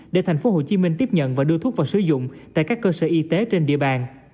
để tp hcm tiếp nhận và đưa thuốc vào sử dụng tại các cơ sở y tế trên địa bàn